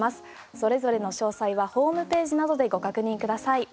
それぞれの詳細はホームページなどでご確認ください。